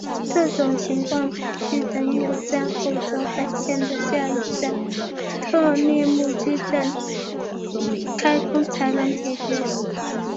这种情况必须等有站后折返线的下一站特列姆基站开通才能解决。